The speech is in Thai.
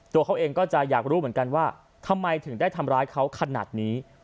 ตัวเขาเองก็จะอยากรู้เหมือนกันว่าทำไมถึงได้ทำร้ายเขาขนาดนี้